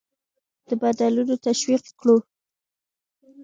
د بدلونونه تشویق کړو.